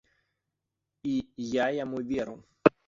І я яму веру.